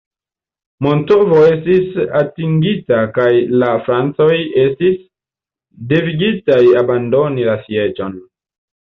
Mantovo estis atingita kaj la Francoj estis devigitaj abandoni la sieĝon.